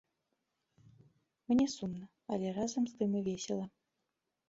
Мне сумна, але разам з тым і весела.